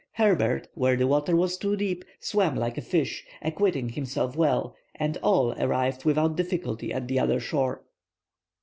Herbert, where the water was too deep, swam like a fish, acquitting himself well; and all arrived without difficulty at the other shore.